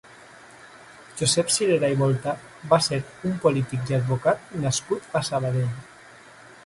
Josep Cirera i Voltà va ser un polític i advocat nascut a Sabadell.